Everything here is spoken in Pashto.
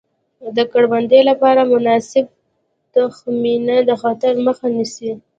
د کروندې لپاره مناسبه تخمینه د خطر مخه نیسي.